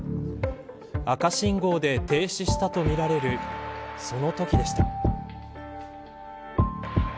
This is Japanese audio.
赤信号で停止したとみられるそのときでした。